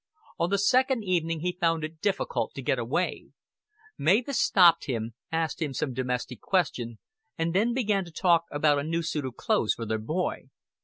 On the second evening he found it difficult to get away. Mavis stopped him, asked him some domestic question, and then began to talk about a new suit of clothes for their boy.